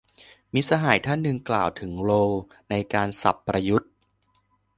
มิตรสหายท่านหนึ่ง กล่าวถึงโรลในการ สับประยุทธ์